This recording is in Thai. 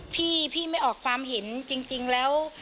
พี่พี่ไม่ออกความเห็นจริงแล้ว